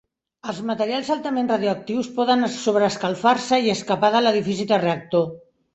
Els materials altament radioactius poden sobreescalfar-se i escapar de l'edifici de reactor.